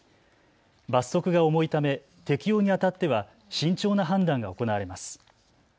罰則が重いため適用にあたっては慎重な判断が行われます。